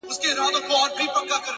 • سرې لمبې په غېږ کي ګرځولای سي,